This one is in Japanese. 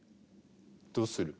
どうする？